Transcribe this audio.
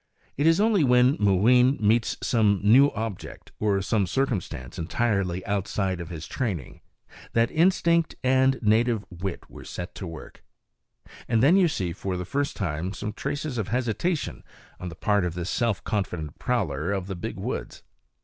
It is only when Mooween meets some new object, or some circumstance entirely outside of his training, that instinct and native wit are set to work; and then you see for the first time some trace of hesitation on the part of this self confident prowler of the big woods.